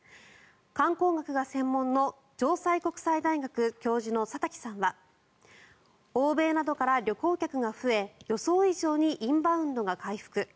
観光学が専門の城西国際大学教授の佐滝さんは欧米などから旅行客が増え予想以上にインバウンドが回復